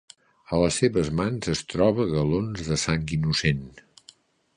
A les seves mans es troba galons de sang innocent.